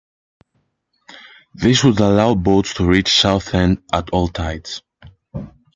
This would allow boats to reach Southend at all tides.